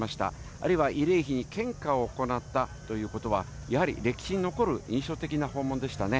あるいは慰霊碑に献花を行ったということは、やはり歴史に残る印象的な訪問でしたね。